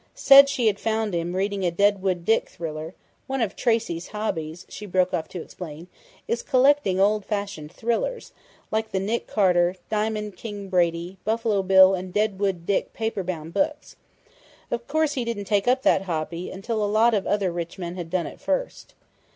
Said she had found him reading a 'Deadwood Dick' thriller.... One of Tracey's hobbies " she broke off to explain, " is collecting old fashioned thrillers, like the Nick Carter, Diamond King Brady, Buffalo Bill and Deadwood Dick paper bound books. Of course he didn't take up that hobby until a lot of other rich men had done it first.